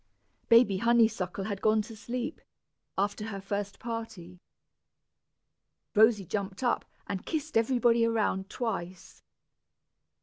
Baby Honeysuckle had gone to sleep, after her first party. Rosy jumped up, and kissed everybody around twice.